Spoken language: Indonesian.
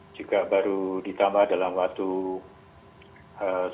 juga baru ditambah dalam waktu setahun